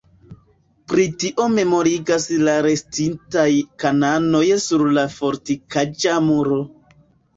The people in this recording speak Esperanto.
Pri tio memorigas la restintaj kanonoj sur la fortikaĵa muro.